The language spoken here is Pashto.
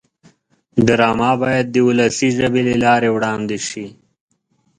ډرامه باید د ولسي ژبې له لارې وړاندې شي